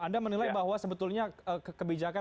anda menilai bahwa sebetulnya kebijakan